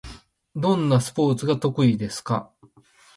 どんなスポーツが得意ですか？